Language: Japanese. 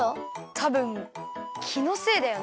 たぶんきのせいだよね。